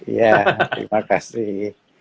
iya terima kasih